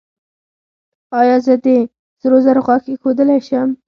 ایا زه د سرو زرو غاښ ایښودلی شم؟